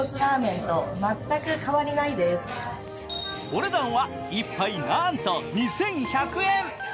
お値段は１杯なんと２１００円。